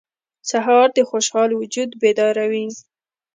سهار د خوشحال وجود بیداروي.